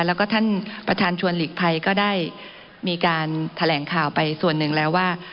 แล้วก็ท่านประธานชวนหลีกภัยก็ได้มีการแถลงข่าวไปส่วนหนึ่งแล้วว่า